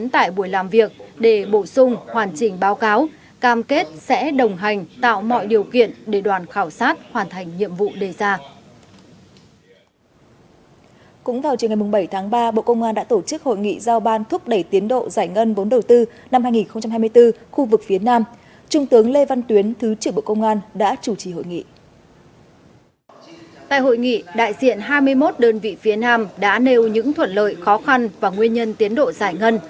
tại hội nghị đại diện hai mươi một đơn vị phía nam đã nêu những thuận lợi khó khăn và nguyên nhân tiến độ giải ngân